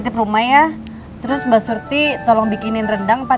kalau ada yang update ke bibir saya